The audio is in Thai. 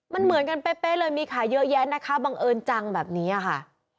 มันเหมือนกันเป๊ะเลยมีขายเยอะแยะนะคะบังเอิญจังแบบนี้ค่ะ